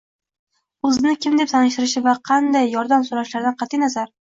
O‘zini kim deb tanishtirishi va qanday yordam so‘rashlaridan qat’iy nazar